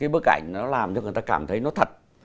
bức ảnh nó làm cho người ta cảm thấy nó thật